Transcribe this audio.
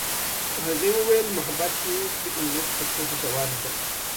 هغې وویل محبت یې د امید په څېر ژور دی.